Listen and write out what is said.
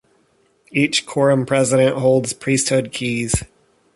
Each quorum president holds priesthood keys.